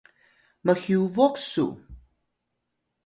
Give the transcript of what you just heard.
mhyubuq su